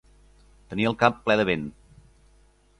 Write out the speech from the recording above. Tenir el cap ple de vent.